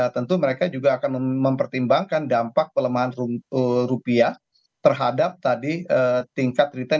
tentu mereka juga akan mempertimbangkan dampak pelemahan rupiah terhadap tadi tingkat return